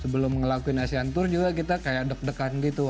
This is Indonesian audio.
sebelum ngelakuin asean tour juga kita kayak deg degan gitu